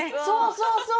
そうそう！